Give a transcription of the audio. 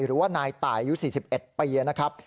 หรือว่านายตายอายุ๔๑ปีนะครับ